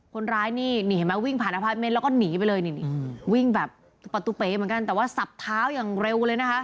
คนร้ายนี่นี่เห็นไหมวิ่งผ่านอพาร์ทเมนต์แล้วก็หนีไปเลยนี่วิ่งแบบประตูเป๋เหมือนกันแต่ว่าสับเท้าอย่างเร็วเลยนะคะ